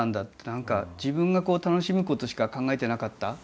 何か自分が楽しむことしか考えてなかった。